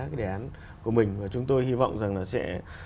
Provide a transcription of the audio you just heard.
cái đề án của mình và chúng tôi hy vọng rằng là sẽ